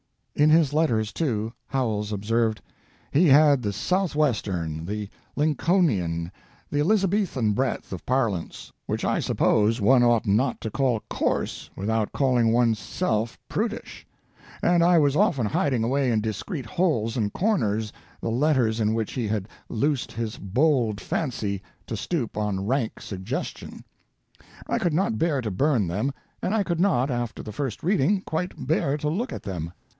In his letters, too, Howells observed, "He had the Southwestern, the Lincolnian, the Elizabethan breadth of parlance, which I suppose one ought not to call coarse without calling one's self prudish; and I was often hiding away in discreet holes and corners the letters in which he had loosed his bold fancy to stoop on rank suggestion; I could not bear to burn them, and I could not, after the first reading, quite bear to look at them.